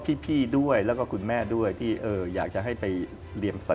พี่เหนียมครอบครัวทำธุรกิจอะไรนะคะ